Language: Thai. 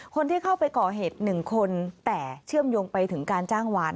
คนที่เข้าไปก่อเหตุ๑คนแต่เชื่อมโยงไปถึงการจ้างวาน